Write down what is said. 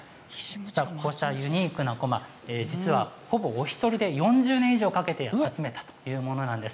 ユニークなこま実は、ほぼお一人で４０年以上かけて集めたというものなんです。